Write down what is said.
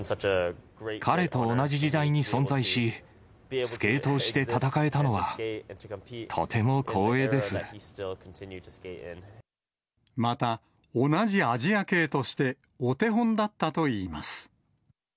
彼と同じ時代に存在し、スケートをして戦えたのは、とても光栄でまた、同じアジア系として、お手本だったといいます。